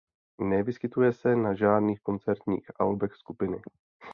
Nevyskytuje se na žádných koncertních albech skupiny.